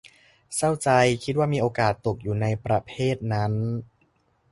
เศร้าใจ คิดว่ามีโอกาสตกอยู่ในประเภทนั้น